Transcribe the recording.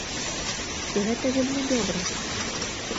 І гэта вельмі добра!